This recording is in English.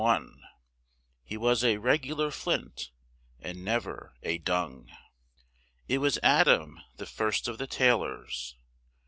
1, He was a regular Flint, and never a Dung, It was Adam, the first of the tailors.